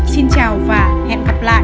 xin chào và hẹn gặp lại